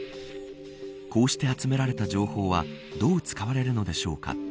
こうして集められた情報はどう使われるのでしょうか。